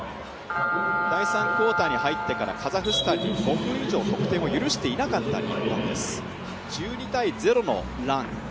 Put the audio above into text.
第３クオーターに入ってからカザフスタンに、５分以上得点を許していない日本。